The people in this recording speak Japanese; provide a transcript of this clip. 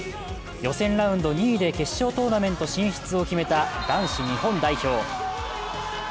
予選ラウンド２位で決勝トーナメント進出を決めた男子日本代表。